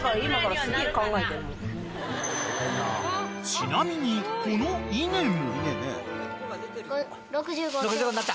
［ちなみにこの稲も］